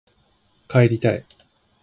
帰りたい